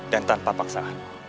dan tanpa paksaan